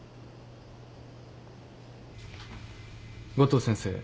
五島先生。